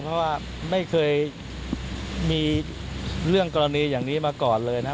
เพราะว่าไม่เคยมีเรื่องกรณีอย่างนี้มาก่อนเลยนะครับ